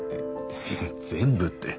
いや全部って。